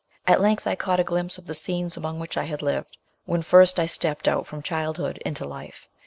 At length I canght a glimpse of the scenes among which I had lived, when first I stepped out from childhood into life.